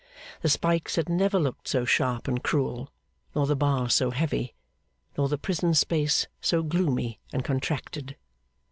The spikes had never looked so sharp and cruel, nor the bars so heavy, nor the prison space so gloomy and contracted.